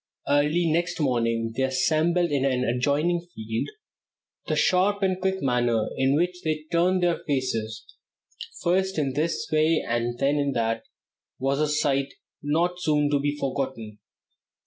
Early next morning they assembled in an adjoining field. The sharp and quick manner in which they turned their faces first in this way and then in that was a sight not soon to be forgotten.